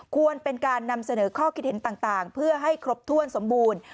ควรเป็นการนำเสนอข้อคิดเห็นต่างเพื่อให้ครบถ้วนสมบูรณ์